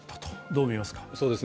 どう見ますか？